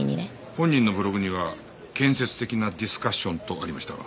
本人のブログには建設的なディスカッションとありましたが。